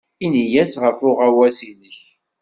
Ini-as ɣef uɣawas-nnek.